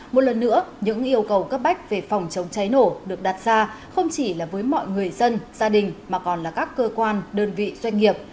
một lần nữa những yêu cầu cấp bách về phòng chống cháy nổ được đặt ra không chỉ là với mọi người dân gia đình mà còn là các cơ quan đơn vị doanh nghiệp